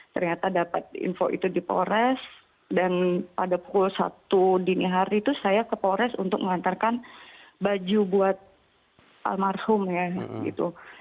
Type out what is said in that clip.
ternyata dapat info itu di polres dan pada pukul satu dini hari itu saya ke polres untuk mengantarkan baju buat almarhum ya gitu